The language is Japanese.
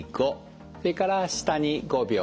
それから下に５秒。